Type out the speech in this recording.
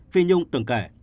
phi nhung từng kể